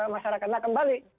masyarakat nah kembali